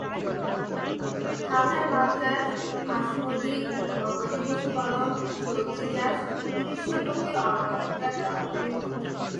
খাঁচায় মাছ চাষ, হাঁস-মুরগি-গবাদি পশু পালন, সবজি চাষ, কুটিরশিল্পকে অগ্রাধিকার দেওয়া হবে।